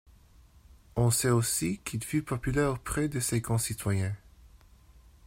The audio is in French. On sait aussi qu'il fut populaire auprès de ses concitoyens.